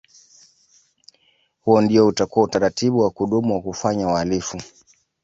Huo ndio utakuwa utaratibu wa kudumu wa kufanya uhalifu